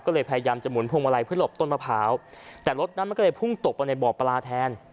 ก็เลยพยายามจะหุนพวงมาลัยเพื่อหลบต้นมะพร้าวแต่รถนั้นมันก็เลยพุ่งตกไปในบ่อปลาแทน